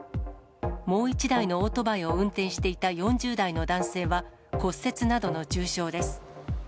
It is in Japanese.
もう１台のオートバイを運転していた４０代の男性は、骨折などの重傷です。